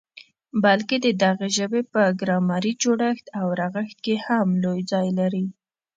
بلکي د دغي ژبي په ګرامري جوړښت او رغښت کي هم لوی ځای لري.